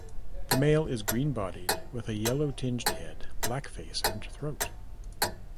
The male is green-bodied with a yellow-tinged head, black face and throat.